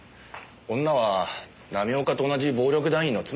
女は浪岡と同じ暴力団員の妻でした。